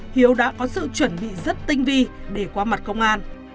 hiếu đã có sự chuẩn bị rất tinh vi để qua mặt công an